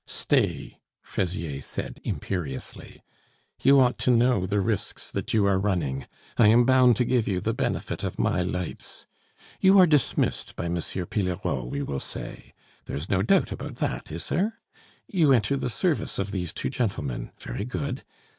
"Stay," Fraisier said imperiously. "You ought to know the risks that you are running; I am bound to give you the benefit of my lights. You are dismissed by M. Pillerault, we will say; there is no doubt about that, is there? You enter the service of these two gentlemen. Very good!